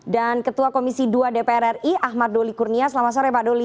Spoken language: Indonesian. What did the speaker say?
dan ketua komisi dua dpr ri ahmad doli kurnia selamat sore pak doli